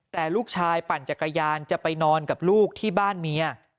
แต่ลูกชายปั่นจักรยานจะไปนอนกับลูกที่บ้านเมีย